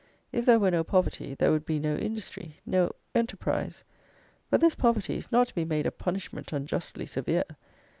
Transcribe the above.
If there were no poverty, there would be no industry, no enterprise. But this poverty is not to be made a punishment unjustly severe.